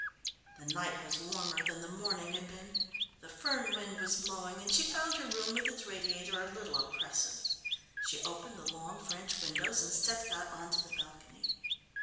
The night was warmer than the morning had been. The Föhn wind was blowing and she found her room with its radiator a little oppressive. She opened the long French windows, and stepped out on to the balcony.